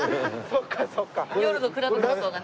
そっかそっか。